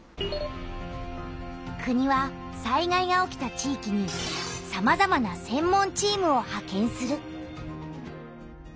国は災害が起きた地域にさまざまな「専門チーム」をはけんする。